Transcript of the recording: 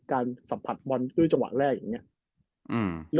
การสัมผัสบอลด้วยจังหวะแรกอย่างนี้